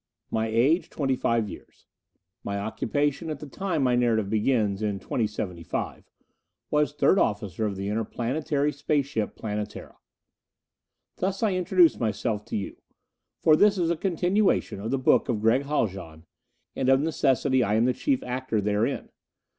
My age, twenty five years. My occupation, at the time my narrative begins, in 2075, was third officer of the Interplanetary Space ship Planetara. Thus I introduce myself to you. For this is a continuation of the book of Gregg Haljan, and of necessity I am the chief actor therein.